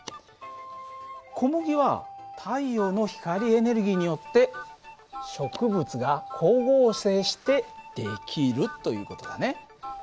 小麦は太陽の光エネルギーによって植物が光合成して出来るという事だね。